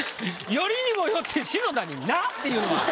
よりにもよって篠田に「なっ」て言うのは。